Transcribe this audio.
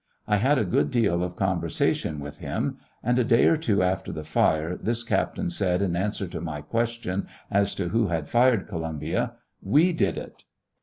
I had a good deal of conversation with him ; and a day or two after the fire this Captain said, in answer to my question as to who had fired Columbia, " We did it."